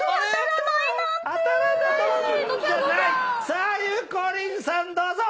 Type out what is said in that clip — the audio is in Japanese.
さあゆうこりんさんどうぞ。